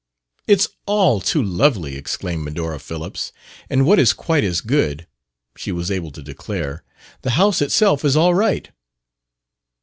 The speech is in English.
"It's all too lovely," exclaimed Medora Phillips. "And what is quite as good," she was able to declare, "the house itself is all right."